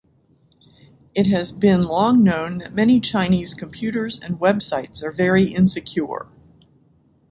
It has been long known that many Chinese computers and websites are very insecure.